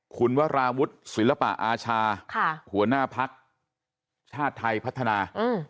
คุณวราวุฒิศิลปะอาชาหัวหน้าพักชาติไทยพัฒนา